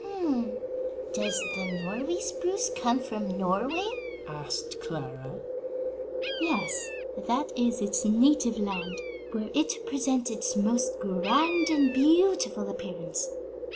"Does the Norway spruce come from Norway?" asked Clara. "Yes; that is its native land, where it presents its most grand and beautiful appearance.